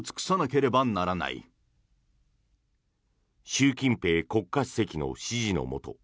習近平国家主席の指示のもと